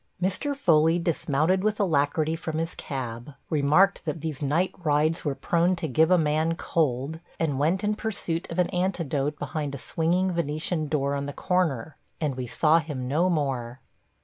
Mr. Foley dismounted with alacrity from his cab, remarked that these night rides were prone to give a man cold, and went in pursuit of an antidote behind a swinging Venetian door on the corner, and we saw him no more.